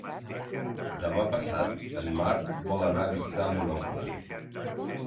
Demà passat en Marc vol anar a visitar mon oncle.